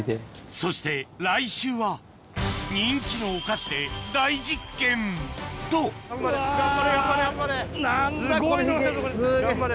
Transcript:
そして来週は人気のお菓子で大実験と頑張れ頑張れ頑張れ。